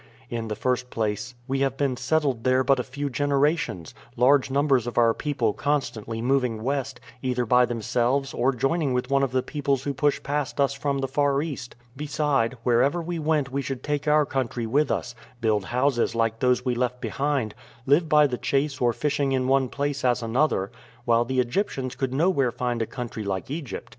In the first place, we have been settled there but a few generations, large numbers of our people constantly moving west, either by themselves or joining with one of the peoples who push past us from the far East; beside, wherever we went we should take our country with us, build houses like those we left behind, live by the chase or fishing in one place as another, while the Egyptians could nowhere find a country like Egypt.